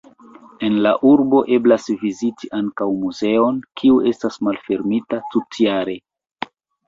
En la urbo eblas viziti ankaŭ muzeon, kiu estas malfermita tutjare.